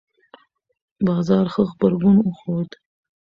بازار ښه غبرګون وښود.